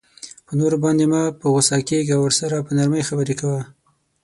په نورو باندی مه په غصه کیږه او ورسره په نرمۍ خبری کوه